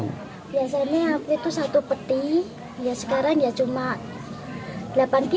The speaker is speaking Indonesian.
biasanya itu satu peti sekarang ya cuma delapan kilo gitu